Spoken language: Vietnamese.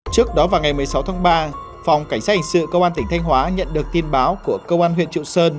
trước đó vào ngày một mươi sáu tháng ba phòng cảnh sát hình sự công an tỉnh thanh hóa nhận được tin báo của công an huyện triệu sơn